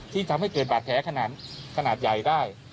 ที่ทำให้เกิดบาดแผลขนาดใหญ่ได้